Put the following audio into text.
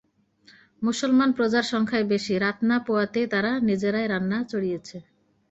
মুসলমান প্রজার সংখ্যাই বেশি– রাত না পোয়াতেই তারা নিজেরাই রান্না চড়িয়েছে।